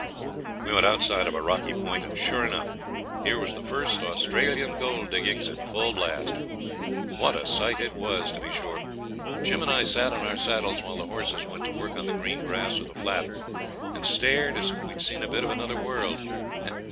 We went outside of a rocky point, and sure enough here was the first Australian gold diggings in full blast. What a sight it was, to be sure! Jim and I sat in our saddles while the horses went to work on the green grass of the flat, and stared as if we'd seen a bit of another world.